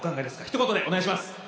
ひと言でお願いします！